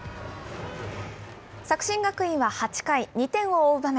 作新学院は８回、２点を追う場面。